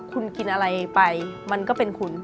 คุณกินอะไรไปมันก็เป็นคุณ